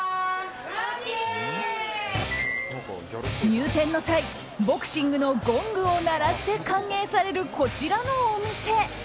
入店の際ボクシングのゴングを鳴らして歓迎されるこちらのお店。